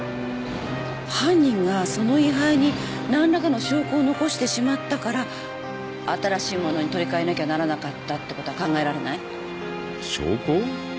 犯人がその位牌に何らかの証拠を残してしまったから新しいものに取り換えなきゃならなかったってことは考えられない？証拠？